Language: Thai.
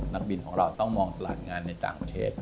นักบินของเราต้องมองตลาดงานในต่างประเทศ